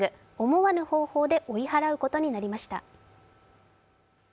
思わぬ方法で追い払うことになりました。